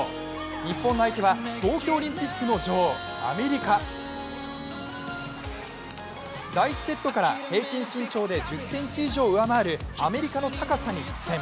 日本の相手は東京オリンピックの女王・アメリカ第１セットから平均身長で１０ｃｍ以上上回るアメリカの高さに苦戦。